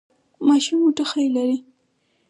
ماشوم مو ټوخی لري؟